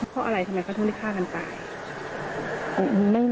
เพราะอะไรทำไมเขาถึงได้ฆ่ากันตาย